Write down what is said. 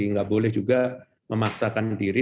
jadi nggak boleh juga memaksakan diri